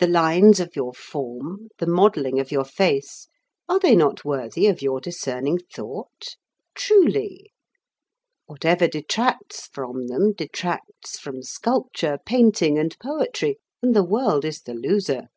The lines of your form, the modelling of your face, are they not worthy of your discerning thought? Truly! Whatever detracts from them detracts from sculpture, painting, and poetry, and the world is the loser.